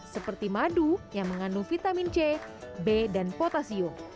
seperti madu yang mengandung vitamin c b dan potasium